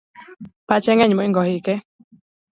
Pache ng'eny mohingo ike